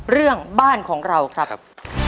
เรื่องบ้านของเราครับ